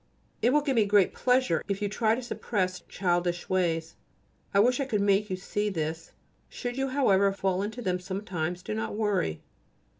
It will give me great pleasure if you try to suppress childish ways. I wish I could make you see this. Should you, however, fall into them sometimes, do not worry.